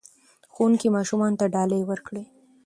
ښوونکي ماشومانو ته ډالۍ ورکړې.